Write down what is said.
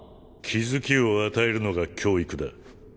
気付きを与えるのが教育だ。